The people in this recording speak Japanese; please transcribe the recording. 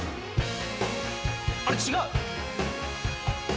あれ違う！